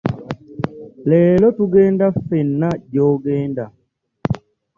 Leero tugenda ffena gy'ogenda.